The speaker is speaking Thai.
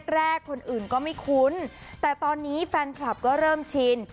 แรกคนอื่นก็ไม่คุ้นแต่ตอนนี้แฟนคลับก็เริ่มชิน